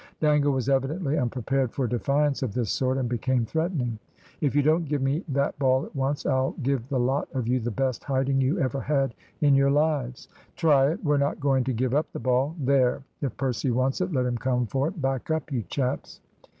Dangle was evidently unprepared for defiance of this sort and became threatening. "If you don't give me that ball at once, I'll give the lot of you the best hiding you ever had in your lives." "Try it. We're not going to give up the ball. There! If Percy wants it, let him come for it. Back up, you chaps."